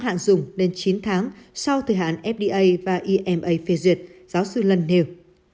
hạn dùng đến chín tháng sau thời hạn fda và ima phê duyệt giáo sư lân nêu